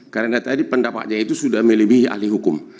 karena tadi pendapatnya itu sudah melebihi ahli hukum